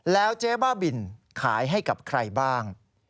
แล้วเจ๊บ้าบินขายให้กับใครบ้าง